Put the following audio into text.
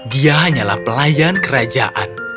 dia hanyalah pelayan kerajaan